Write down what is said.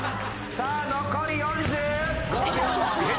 さあ残り４５秒。